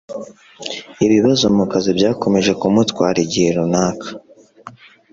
Ibibazo ku kazi byakomeje kumutwara igihe runaka